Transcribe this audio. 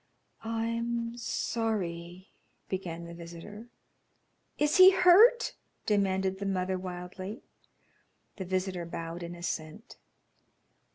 "I'm sorry " began the visitor. "Is he hurt?" demanded the mother, wildly. The visitor bowed in assent.